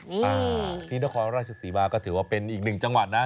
อ่าที่นครราชศรีมาก็ถือว่าเป็นอีกหนึ่งจังหวัดนะ